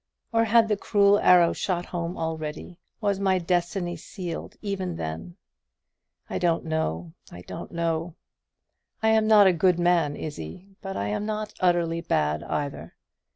Or had the cruel arrow shot home already; was my destiny sealed even then? I don't know I don't know. I am not a good man, Izzie; but I am not utterly bad either.